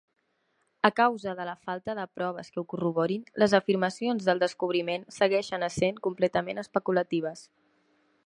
A causa de la falta de proves que ho corroborin, les afirmacions del descobriment segueixen essent completament especulatives.